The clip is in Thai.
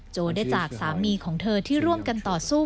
โจได้จากสามีของเธอที่ร่วมกันต่อสู้